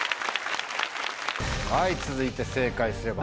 はい続いて正解すれば。